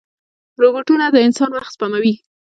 روبوټونه د انسان وخت سپموي.